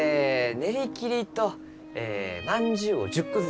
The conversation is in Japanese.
練り切りとえまんじゅうを１０個ずつ。